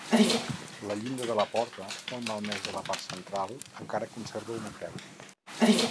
La llinda de la porta, molt malmesa a la part central, encara conserva una creu.